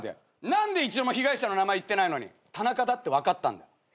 何で一度も被害者の名前言ってないのにタナカだって分かったんだ？